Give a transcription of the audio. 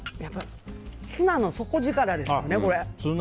ツナの底力ですよね。